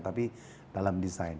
tapi dalam desain